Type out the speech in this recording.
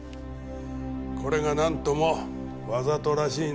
これがなんともわざとらしいんだ。